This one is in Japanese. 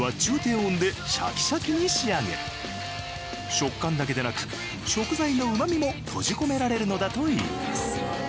食感だけでなく食材のうまみも閉じ込められるのだといいます。